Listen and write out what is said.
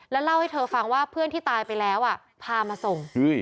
แล้วเล่าให้เธอฟังว่าเพื่อนที่ตายไปแล้วพามาส่ง